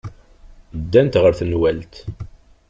Ddant ɣer tenwalt.